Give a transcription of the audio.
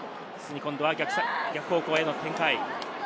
今度は逆方向への展開。